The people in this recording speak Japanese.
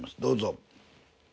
どうぞ。